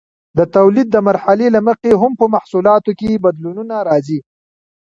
د تولید د مرحلې له مخې هم په محصولاتو کې بدلونونه راځي.